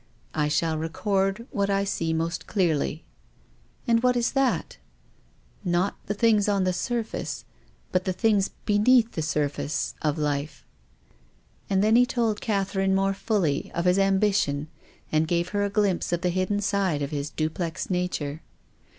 " I shall record what I see most clearly." " And what is that ?"" Not the things on the surface, but the things beneath the surface, of life." And then he told Catherine more fully of his ambition and gave her a glimpse of the hidden side of his duplex nature.